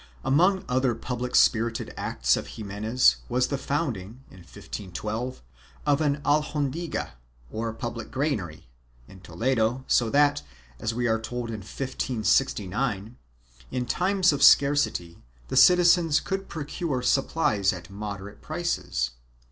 Among other public spirited acts of Ximenes was the founding, in 1512, of an alhondiga, or public granary, in Toledo so that, as we are told in 1569, in times of scarcity the citizens could procure supplies at moderate prices.